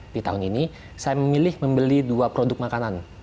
di tahun ini saya memilih membeli dua produk makanan